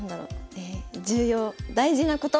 え重要大事なこと！